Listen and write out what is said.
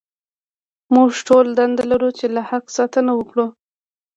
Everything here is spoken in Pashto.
موږ ټول دنده لرو چې له حق ساتنه وکړو.